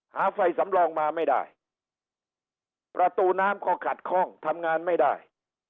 หาไฟสำรองมาไม่ได้ประตูน้ำก็ขัดข้องทำงานไม่ได้